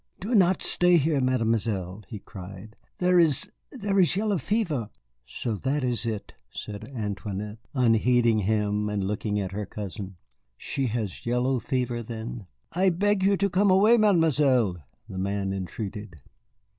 "Do not stay here, Mademoiselle!" he cried. "There is there is yellow fever." "So that is it," said Antoinette, unheeding him and looking at her cousin. "She has yellow fever, then?" "I beg you to come away, Mademoiselle!" the man entreated.